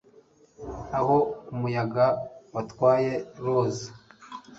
Aho umuyaga watwaye roza